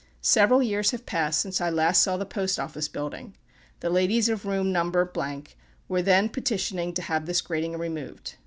Several years have passed since I last saw the post office building; the ladies of room No. were then petitioning to have this grating removed.